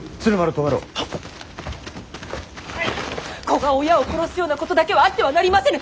子が親を殺すようなことだけはあってはなりませぬ！